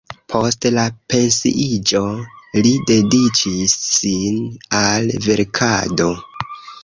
Post la pensiiĝo li dediĉis sin al verkado.